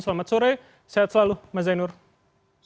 selamat sore sehat selalu mas zainur